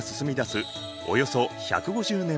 およそ１５０年前。